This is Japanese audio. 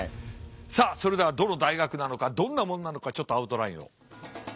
さあそれではどの大学なのかどんなもんなのかちょっとアウトラインを。